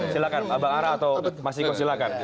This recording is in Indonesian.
silahkan bang ara atau mas iko silahkan